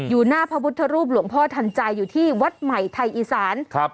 หน้าพระพุทธรูปหลวงพ่อทันใจอยู่ที่วัดใหม่ไทยอีสานครับ